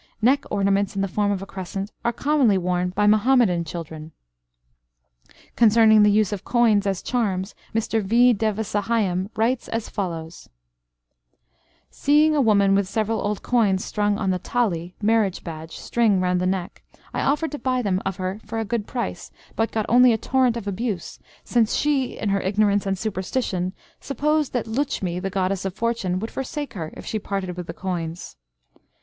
Neck ornaments in the form of a crescent are commonly worn by Muhammadan children. Concerning the use of coins as charms, Mr V. Devasahayam writes as follows : "Seeing a woman with several old coins strung on the tali (marriage badge) string round the neck, I offered to buy them of her for a good price, but got only a torrent of abuse, since she, in her ignorance and superstition, supposed that Lutchmi, the goddess of fortune, would forsake her if she parted with the coins.